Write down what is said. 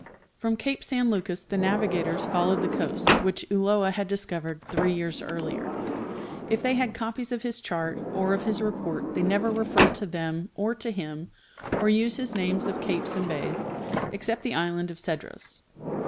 From cape San Lucas the navigators followed the coast, which Ulloa had discovered three years earlier. If they had copies of his chart or of his report they never refer to them or to him or use his names of capes and bays, except the island of Cedros.